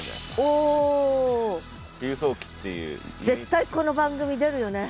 絶対この番組出るよね。